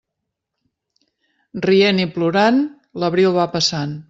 Rient i plorant, l'abril va passant.